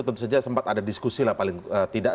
tentu saja sempat ada diskusi lah paling tidak